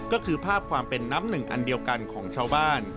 ก็คือภาพความเป็นน้ำหนึ่งอันเดียวกันของชาวบ้าน